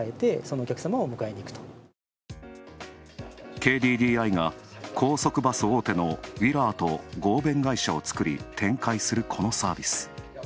ＫＤＤＩが、高速バス大手のＷＩＬＬＥＲと合弁会社を作り、展開する、このサービス。